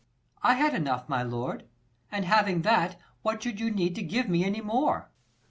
I had enough, my lord, and having that, What should you need to give me any more ? Lelr.